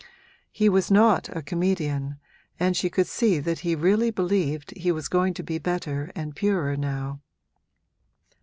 He was not a comedian, and she could see that he really believed he was going to be better and purer now.